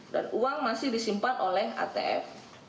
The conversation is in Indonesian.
dan uang masih disimpan oleh atf